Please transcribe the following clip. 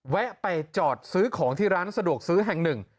แวะไปจอดซื้อของที่ร้านสะดวกซื้อแห่งหนึ่ง